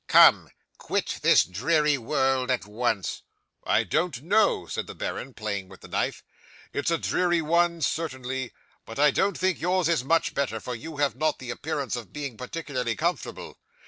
Come! Quit this dreary world at once." '"I don't know," said the baron, playing with the knife; "it's a dreary one certainly, but I don't think yours is much better, for you have not the appearance of being particularly comfortable.